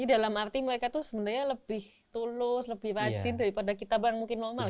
jadi dalam arti mereka itu sebenarnya lebih tulus lebih wajin daripada kita bahkan mungkin normal